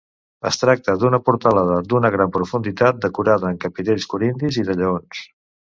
Es tracta d'una portalada d'una gran profunditat decorada amb capitells corintis i de lleons.